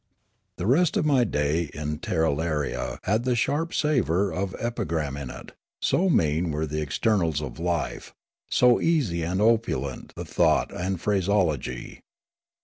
The rest of my day in Tirralaria had the sharp savour of epigram in it; so mean were the externals of life, so easy and opulent the thought and phraseology.